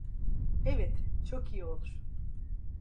Evet, çok iyi olur.